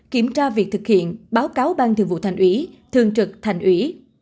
kiểm tra việc thực hiện báo cáo ban thường vụ thành ủy thường trực thành ủy